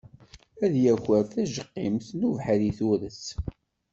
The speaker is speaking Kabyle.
Ad yaker tajeqimt n ubeḥri i turet.